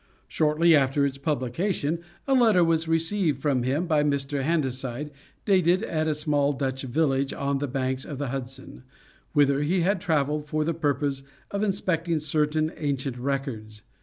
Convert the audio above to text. Shortly after its publication, a letter was received from him, by Mr. Handaside, dated at a small Dutch village on the banks of the Hudson, whither he had traveled for the purpose of inspecting certain ancient records.